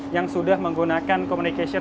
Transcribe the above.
yang sudah menggunakan communication